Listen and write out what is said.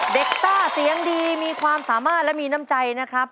ต้าเสียงดีมีความสามารถและมีน้ำใจนะครับ